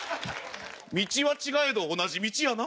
道は違えど同じ道やな。